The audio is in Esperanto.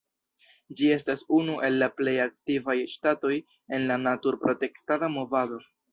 Ĝi estas unu el la plej aktivaj ŝtatoj en la natur-protektada movado.